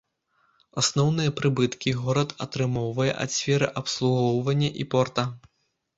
Асноўныя прыбыткі горад атрымоўвае ад сферы абслугоўвання і порта.